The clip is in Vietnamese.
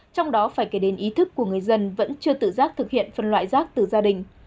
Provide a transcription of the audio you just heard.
trong đó phải kể đến ý thức của người dân vẫn chưa tự giác thực hiện phân loại rác từ gia đình